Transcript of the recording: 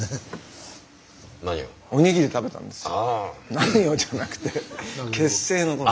何をじゃなくて結成のこと。